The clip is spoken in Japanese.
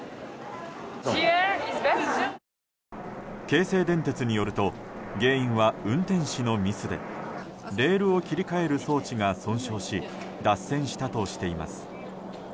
京成電鉄によると原因は運転士のミスでレールを切り替える装置が損傷し脱線したとしています。